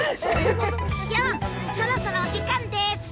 そろそろお時間です！